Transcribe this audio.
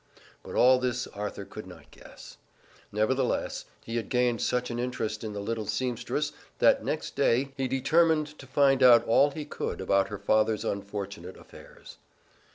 But all this Arthur could not guess. Nevertheless, he had gained such an interest in the little seamstress that next day he determined to find out all he could about her father's unfortunate affairs.